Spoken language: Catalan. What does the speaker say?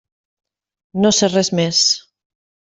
No sé res més.